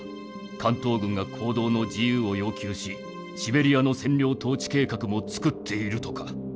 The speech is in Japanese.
関東軍が行動の自由を要求しシベリアの占領統治計画も作っているとか。